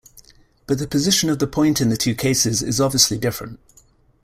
But the position of the point in the two cases is obviously different.